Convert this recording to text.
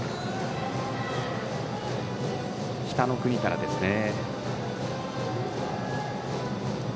「北の国から」ですね。